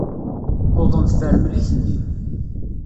Tuḍen tefremlit-nni.